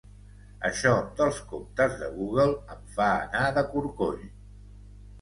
Això dels comptes de Google em fa anar de corcoll